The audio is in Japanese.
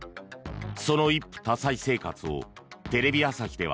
その一夫多妻生活をテレビ朝日では